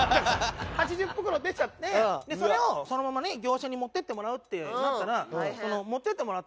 ８０袋出ちゃってそれをそのままね業者に持っていってもらうってなったら。